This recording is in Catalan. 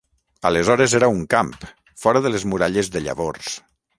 Aleshores era un camp, fora de les muralles de llavors.